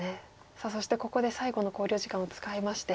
さあそしてここで最後の考慮時間を使いまして。